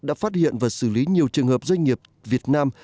đã phát hiện và xử lý nhiều trường hợp doanh nghiệp việt nam